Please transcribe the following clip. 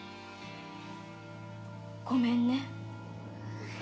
ごめんね。